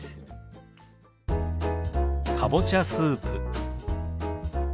「かぼちゃスープ」。